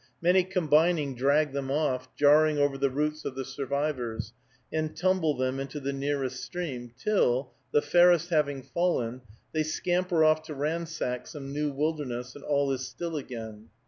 Many combining drag them off, jarring over the roots of the survivors, and tumble them into the nearest stream, till, the fairest having fallen, they scamper off to ransack some new wilderness, and all is still again.